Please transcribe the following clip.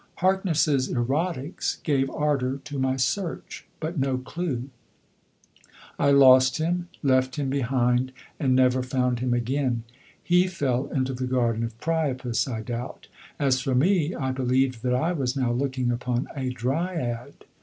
Harkness's erotics gave ardour to my search, but no clew. I lost him, left him behind, and never found him again. He fell into the Garden of Priapus, I doubt. As for me, I believed that I was now looking upon a Dryad.